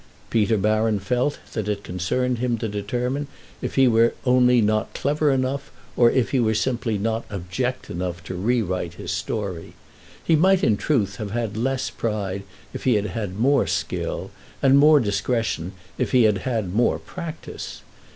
Peter Baron felt that it concerned him to determine if he were only not clever enough or if he were simply not abject enough to rewrite his story. He might in truth have had less pride if he had had more skill, and more discretion if he had had more practice.